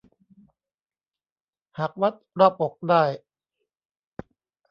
หากวัดรอบอกได้